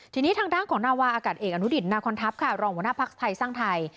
ทีนี้ทางด้านของนาวาอากาศเอกอนุดิตนาคอนทัพค่ะรองหัวหน้าภักดิ์ไทยสร้างไทย